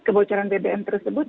kebocoran bbm tersebut